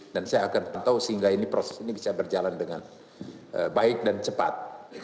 dan saya akan pantau sehingga ini proses ini bisa berjalan dengan baik dan cepat